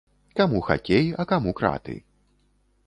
Каму хакей, а каму краты.